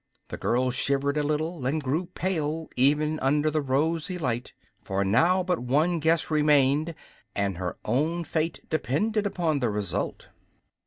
The girl shivered a little and grew pale even under the rosy light; for now but one guess remained, and her own fate depended upon the result.